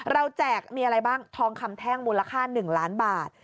แจกมีอะไรบ้างทองคำแท่งมูลค่า๑ล้านบาท